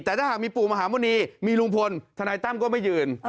แต่ถ้าหากมีปู่มหามุณีมีลุงพลทนายตั้มก็ไม่ยืน